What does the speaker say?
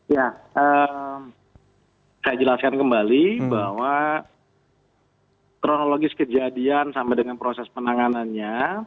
ya saya jelaskan kembali bahwa kronologis kejadian sampai dengan proses penanganannya